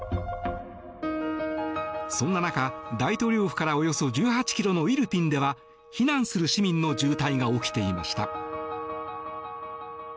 そんな中、大統領府からおよそ１８ｋｍのイルピンでは避難する市民の渋滞が起きていました。